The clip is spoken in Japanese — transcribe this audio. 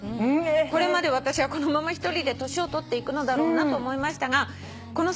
「これまで私はこのまま一人で年を取っていくのだろうなと思いましたがこの先